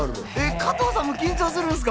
加藤さんも緊張するんすか？